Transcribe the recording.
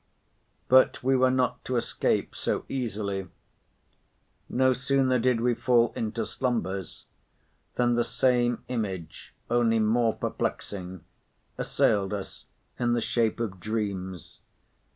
But we were not to escape so easily. No sooner did we fall into slumbers, than the same image, only more perplexing, assailed us in the shape of dreams.